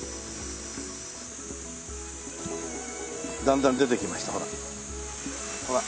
だんだん出てきましたほら。